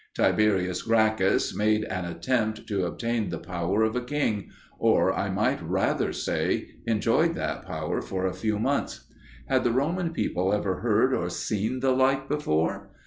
Tiberius Gracchus made an attempt to obtain the power of a king, or, I might rather say, enjoyed that power for a few months. Had the Roman people ever heard or seen the like before?